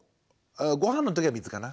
ごはんの時は水かな。